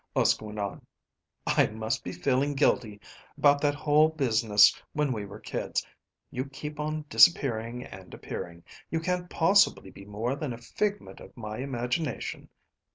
Uske went on. "I must be feeling guilty about that whole business when we were kids. You keep on disappearing and appearing. You can't possibly be more than a figment of my imagination.